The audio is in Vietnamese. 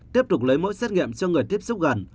tiếp tục lấy mẫu xét nghiệm cho người tiếp xúc gần